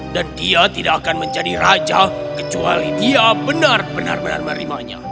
dan dia tidak akan menjadi raja kecuali dia benar benar merimanya